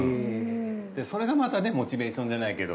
それがまたねモチベーションじゃないけど。